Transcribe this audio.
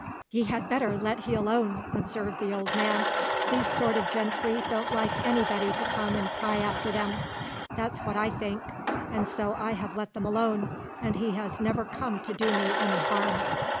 "You had better let he alone," observed the old man; "these sort of gentry don't like anybody to come and pry after them. That's what I think; and so I have let them alone, and he has never come to do me any harm."